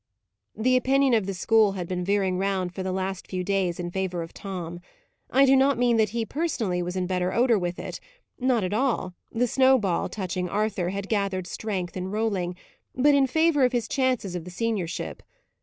The opinion of the school had been veering round for the last few days in favour of Tom. I do not mean that he, personally, was in better odour with it not at all, the snow ball, touching Arthur, had gathered strength in rolling but in favour of his chances of the seniorship.